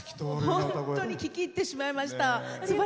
本当に聴き入ってしまいました。